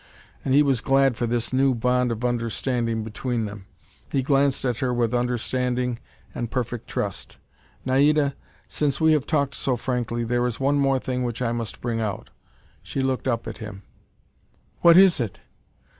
And he was glad for this new bond of understanding between them. He glanced at her with understanding and perfect trust. "Naida, since we have talked so frankly, there is one more thing which I must bring out." She looked up at him. "What is it?"